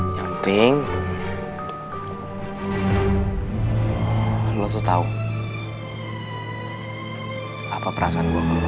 yang penting lo tuh tau apa perasaan gue sama lo